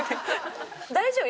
大丈夫？